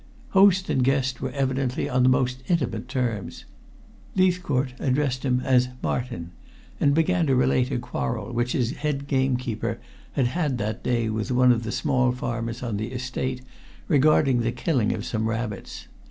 Host and guest were evidently on the most intimate terms. Leithcourt addressed him as "Martin," and began to relate a quarrel which his head gamekeeper had had that day with one of the small farmers on the estate regarding the killing of some rabbits.